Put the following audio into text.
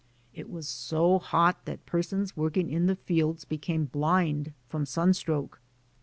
It was so hot that persons working in the fields became blind from sunstroke.